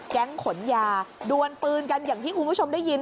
ขนยาดวนปืนกันอย่างที่คุณผู้ชมได้ยิน